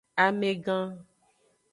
Amegan.